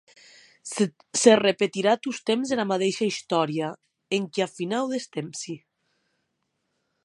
Se repetirà tostemp era madeisha istòria enquiath finau des tempsi.